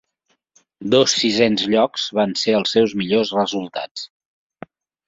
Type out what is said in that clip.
Dos sisens llocs van ser els seus millors resultats.